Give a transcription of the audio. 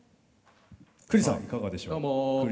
栗さんいかがでしょう。